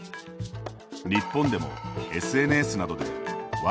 日本でもＳＮＳなどで笑